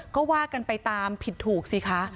ก็ว่ากันไปตามผิดถูกสิคะ